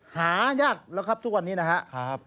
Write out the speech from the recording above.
หายากแล้วครับทุกวันนี้นะครับ